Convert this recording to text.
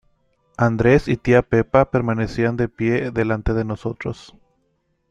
Andrés y tía pepa permanecían de pie delante de nosotros.